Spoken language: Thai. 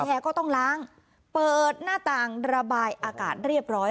ก็ต้องล้างเปิดหน้าต่างระบายอากาศเรียบร้อย